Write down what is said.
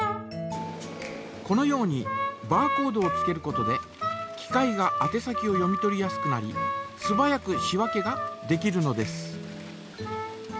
このようにバーコードをつけることで機械があて先を読み取りやすくなりすばやく仕分けができるのです。